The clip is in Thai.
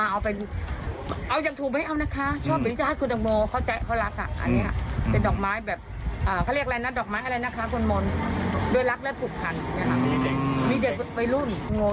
เขาเรียกอะไรนะดอกไม้อะไรนะคะคุณโมน